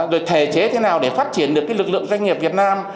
rồi thể chế thế nào để phát triển được cái lực lượng doanh nghiệp việt nam